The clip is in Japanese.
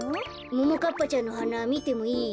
ももかっぱちゃんのはなみてもいい？